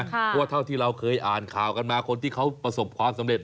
เพราะว่าเท่าที่เราเคยอ่านข่าวกันมาคนที่เขาประสบความสำเร็จ